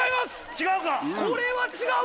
違うか。